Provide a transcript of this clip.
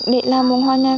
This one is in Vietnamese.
để làm bông hoa nhan